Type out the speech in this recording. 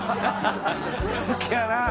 好きやなあ。